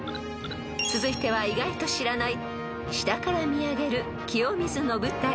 ［続いては意外と知らない下から見上げる清水の舞台］